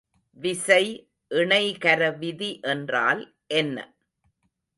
விசை இணைகர விதி என்றால் என்ன?